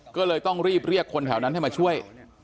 ก็เลยต้องรีบเรียกคนแถวนั้นให้มาช่วย